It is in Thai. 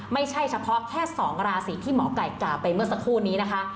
ไม่ใช่เฉพาะแค่๒ราศีที่หมอไก่กล่าวไปเมื่อสักครู่นี้นะคะ